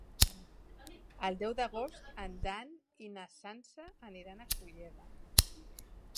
El deu d'agost en Dan i na Sança aniran a Fulleda.